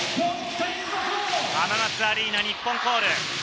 浜松アリーナ、日本コール。